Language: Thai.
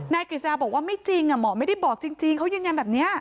กฤษฎาบอกว่าไม่จริงหมอไม่ได้บอกจริงเขายืนยันแบบนี้